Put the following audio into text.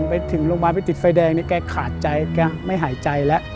ไปถึงโรงพยาบาลไปติดไฟแดงนี่แกขาดใจแกไม่หายใจแล้ว